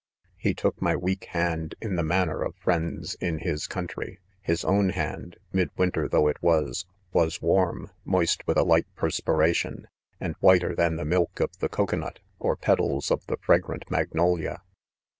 .* He took my weak hand in the manner of friends in his country. His own hand, (mid winter though it was,) was warm, moist with a light perspiration, and whiter than the milk of the cocoa nut, or petals of the fragrant mag nolia.